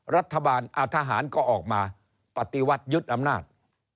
รัฐบาลอาทหารก็ออกมาปฏิวัติยึดอำนาจ